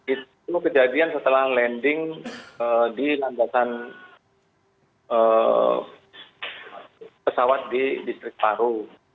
itu kejadian setelah landing di landasan pesawat di distrik paru